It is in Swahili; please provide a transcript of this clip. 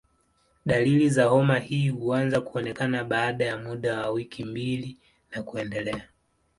Dalili za homa hii huanza kuonekana baada ya muda wa wiki mbili na kuendelea.